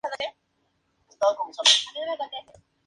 Regrese a Colombia el mismo año y se retire del servicio militar.